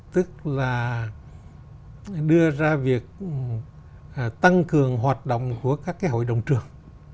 tức là đưa ra việc tăng cường hoạt động của các cái hội đồng trường